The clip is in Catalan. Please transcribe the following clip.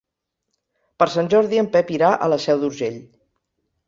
Per Sant Jordi en Pep irà a la Seu d'Urgell.